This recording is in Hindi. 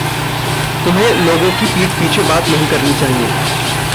तुम्हे लोगों की पीठ-पीछे बात नहीं करनी चाहिए।